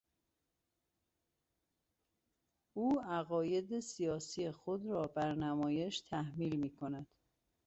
او عقاید سیاسی خود را بر نمایش تحمیل میکند.